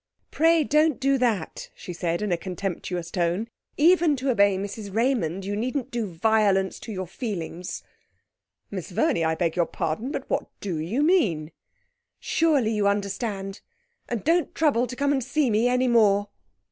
'Pray don't do that,' she said in a contemptuous tone. 'Even to obey Mrs Raymond, you needn't do violence to your feelings!' 'Miss Verney! I beg your pardon! But what do you mean?' 'Surely you understand. And don't trouble to come and see me any more.'